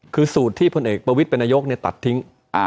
คือสูตรที่พลเอกประวิทย์เป็นนายกตัดทิ้ง